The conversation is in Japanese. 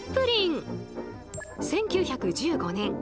１９１５年